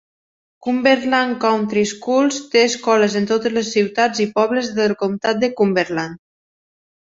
Cumberland County Schools té escoles en totes les ciutats i pobles del comtat de Cumberland.